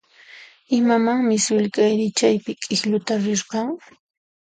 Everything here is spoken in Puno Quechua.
Imamanmi sullk'ayri chawpi k'iklluta rirqan?